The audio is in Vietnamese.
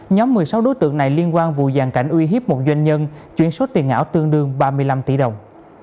nhóm một mươi sáu đối tượng này liên quan vụ giàn cảnh uy hiếp một doanh nhân chuyển số tiền ảo tương đương ba mươi năm tỷ đồng